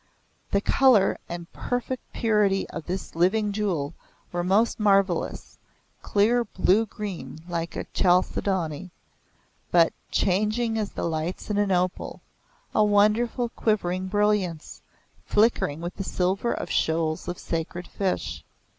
The colour and perfect purity of this living jewel were most marvellous clear blue green like a chalcedony, but changing as the lights in an opal a wonderful quivering brilliance, flickering with the silver of shoals of sacred fish.